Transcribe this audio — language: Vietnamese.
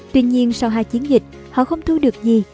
tuy nhiên sau hai chiến dịch họ không thu được gì